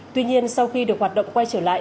tuy nhiên sau khi được hoạt động quay trở lại